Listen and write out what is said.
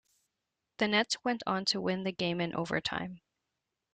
The Nets went on to win the game in overtime.